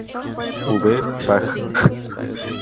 V, pág.